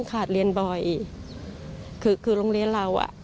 มาเรียนโรงเรียนเรา